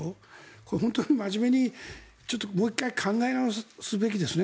これは本当にまじめにもう１回考え直すべきですね。